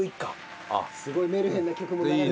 すごいメルヘンな曲も流れてきたし。